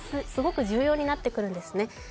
すごく重要になってくるんですね。